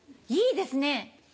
いいですね。